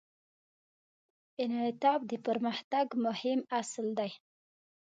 انعطاف د پرمختګ مهم اصل دی.